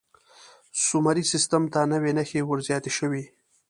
سومري سیستم ته نوې نښې ور زیاتې شوې.